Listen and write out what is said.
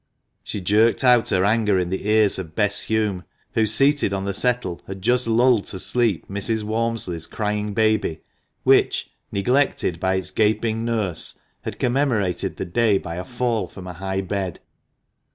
" She jerked out her anger in the ears of Bess Hulme, who, seated on the settle, had just lulled to sleep Mrs. Walmsley's crying baby, which (neglected by its gaping nurse) had commemorated the day by a fall from a high bed.